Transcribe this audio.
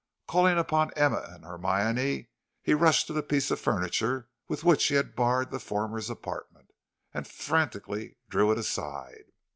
Calling upon Emma and Hermione, he rushed to the piece of furniture with which he had barred the former's apartment, and frantically drew it aside.